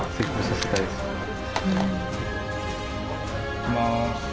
いきます。